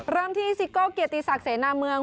เริ่มที่ซิโก้เกียรติศักดิเสนาเมือง